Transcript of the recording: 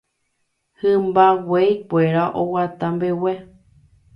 Hymba guéi kuéra oguata mbegue.